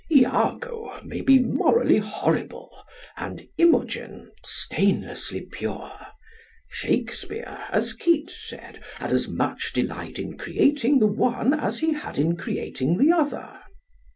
Iago may be morally horrible and Imogen stainlessly pure. Shakespeare, as Keats said, had as much delight in creating the one as he had in creating the other.